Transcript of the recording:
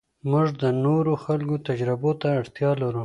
موږ د نورو خلکو تجربو ته اړتیا لرو.